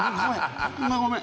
ごめん！